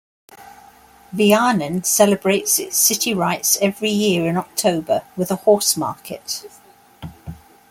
Vianen celebrates its city rights every year in October with a horse-market.